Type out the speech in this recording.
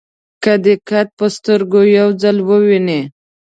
که دې قد په سترګو یو ځل وویني.